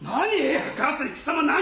何！